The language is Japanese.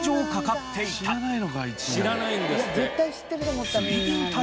知らないんですって。